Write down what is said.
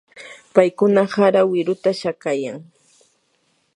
paykuna hara wiruta shakaykaayan.